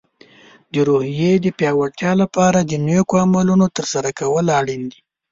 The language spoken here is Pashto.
د روحیې د پیاوړتیا لپاره د نیکو عملونو ترسره کول اړین دي.